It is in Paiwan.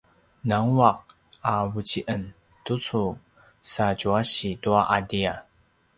nangua’ a vuci’en tucu sa djuasi tua ’atia